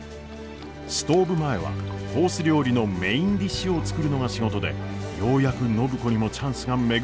ストーブ前はコース料理のメインディッシュを作るのが仕事でようやく暢子にもチャンスが巡ってきたのです。